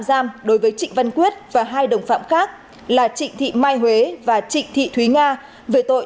giam đối với trịnh văn quyết và hai đồng phạm khác là trịnh thị mai huế và trịnh thị thúy nga về tội